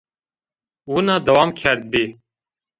Wina dewam kerdbî